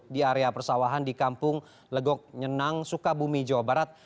di area persawahan di kampung legok nyenang sukabumi jawa barat